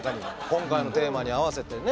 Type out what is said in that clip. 今回のテーマに合わせてね